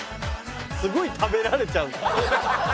すごい食べられちゃう。